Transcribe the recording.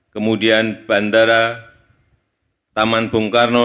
kemudian bandara taman bung karno